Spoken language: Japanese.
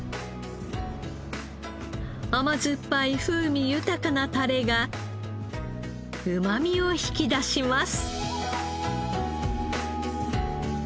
甘酸っぱい風味豊かなタレがうま味を引き出します。